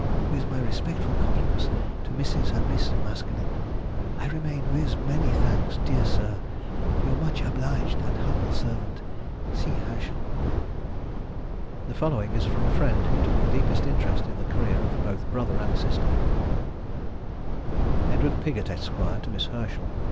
With my respectful compliments to Mrs. and Miss Maskelyne, I remain, with many thanks, Dear sir, Your much obliged and humble servant, C. HERSCHEL. The following is from a friend who took the deepest interest in the career of both brother and sister:— ED. PIGOTT, ESQ. TO MISS HERSCHEL.